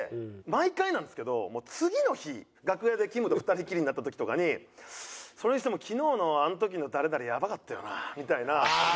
毎回なんですけど次の日楽屋できむと２人きりになった時とかに「それにしても昨日のあの時の誰々やばかったよな」みたいな。